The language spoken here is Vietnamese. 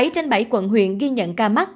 bảy trên bảy quận huyện ghi nhận ca mắc